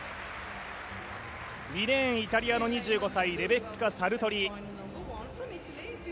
２レーン、イタリアの２５歳、レベッカ・サルトリ。